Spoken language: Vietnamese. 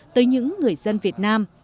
tới những người dân việt nam